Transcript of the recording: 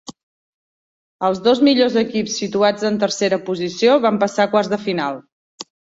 Els dos millors equips situats en tercera posició van passar a quarts de final.